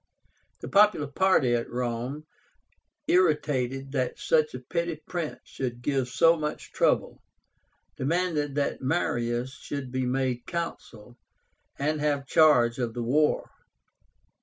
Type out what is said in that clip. The popular party at Rome, irritated that such a petty prince should give so much trouble, demanded that Marius should be made Consul and have charge of the war.